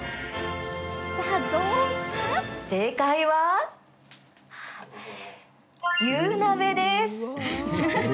正解は牛鍋です！